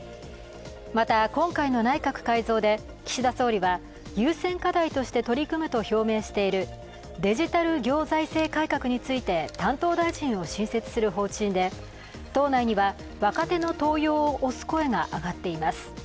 また、今回の内閣改造で岸田総理は優先課題として取り組むと表明しているデジタル行財政改革について担当大臣を新設する方針で、党内には若手の登用を推す声が上がっています。